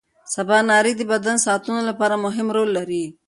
سباناري د بدن ساعتونو لپاره مهمه رول لري.